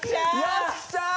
よっしゃ！